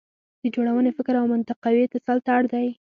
د جوړونې فکر او منطقوي اتصال ته اړ دی.